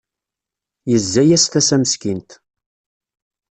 Yezza-yas tasa meskint.